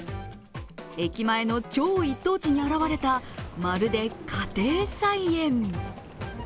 駅前の超一等地に現れたまるで家庭菜園。